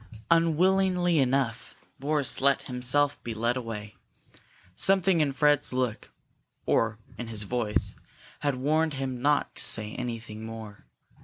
Unwillingly enough, Boris let himself be led away. Something in Fred's look, or in his voice, had warned him not to say anything more.